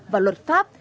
và luật pháp